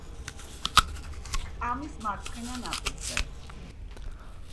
კამის მარცხენა ნაპირზე.